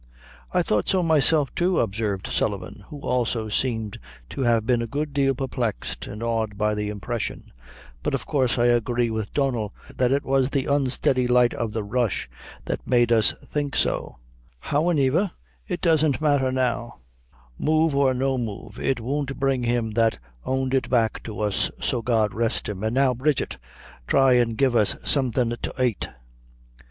"I thought so myself, too," observed Sullivan, who also seemed to have been a good deal perplexed and awed by the impression; "but of coorse I agree wid Donnel, that it was the unsteady light of the rush that made us think so; howaniver, it doesn't matther now; move or no move, it won't bring him that owned it back to us, so God rest him! and now, Bridget, thry an' get us some thin' to ait."